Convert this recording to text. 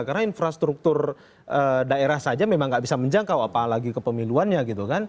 karena infrastruktur daerah saja memang nggak bisa menjangkau apalagi kepemiluannya gitu kan